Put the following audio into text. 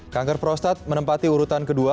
kanker prostat menempati urutan kedua